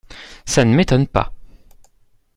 Ça ne m’étonne pas !